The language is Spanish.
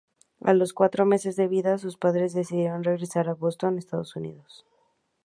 A los cuatro meses de vida, sus padres decidieron regresar a Boston, Estados Unidos.